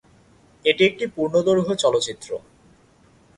এটি একটি পূর্ণদৈর্ঘ্য চলচ্চিত্র।